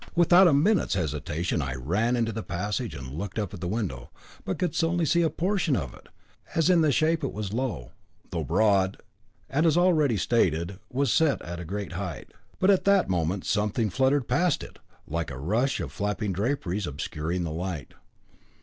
Without a minute's hesitation I ran into the passage and looked up at the window, but could see only a portion of it, as in shape it was low, though broad, and, as already stated, was set at a great height. But at that moment something fluttered past it, like a rush of flapping draperies obscuring the light.